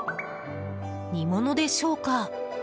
煮物でしょうか？